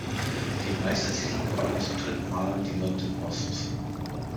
Den Meistertitel gewannen zum dritten Mal die London Wasps.